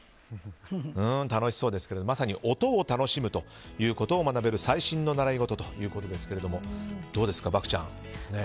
楽しそうですけどまさに音を楽しむということを学べる最新の習い事ということですがどうですか、漠ちゃん。